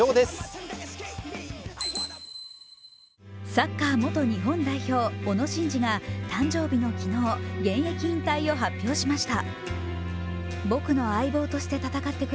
サッカー元日本代表・小野伸二が誕生日の昨日、現役引退を発表しました。